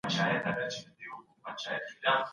هغه افراط چي زیان رسوي لیونتوب دی.